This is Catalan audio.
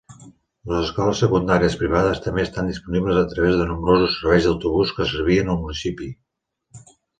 Les escoles secundàries privades també estan disponibles a través de nombrosos serveis d'autobús que servien el municipi.